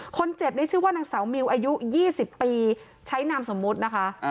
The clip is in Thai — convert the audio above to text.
คนเจ็บนี่ชื่อว่านางสาวมิวอายุ๒๐ปีใช้นามสมมุตินะคะ